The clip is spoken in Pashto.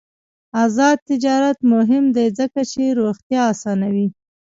آزاد تجارت مهم دی ځکه چې روغتیا اسانوي.